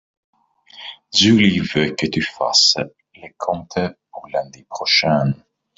Julie veut que tu fasses les comptes pour lundi prochain.